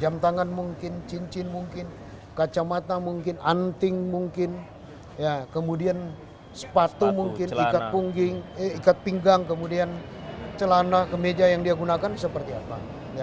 jam tangan mungkin cincin mungkin kacamata mungkin anting mungkin kemudian sepatu mungkin ikat pinggang kemudian celana kemeja yang dia gunakan seperti apa